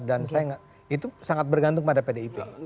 dan saya itu sangat bergantung pada pdip